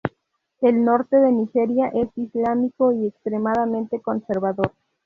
El norte de Nigeria es islámico y extremadamente conservador.